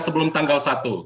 h tiga sebelum tanggal satu